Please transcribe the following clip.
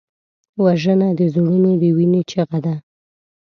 وژنه د زړونو د وینې چیغه ده